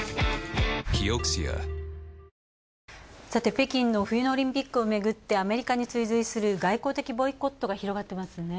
北京の冬のオリンピックをめぐってアメリカに追随する外交的ボイコットが広まってますね。